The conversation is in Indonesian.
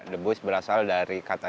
debus berasal dari kata